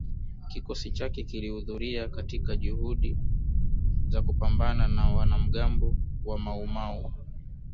kikosi chake kilihudhuria katika juhudi za kupambana na wanamgambo wa Maumau